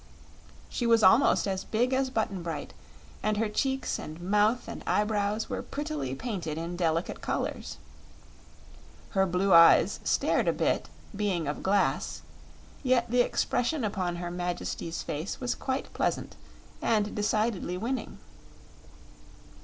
She was almost as big as Button Bright, and her cheeks and mouth and eyebrow were prettily painted in delicate colors. Her blue eyes stared a bit, being of glass, yet the expression upon her Majesty's face was quite pleasant and decidedly winning.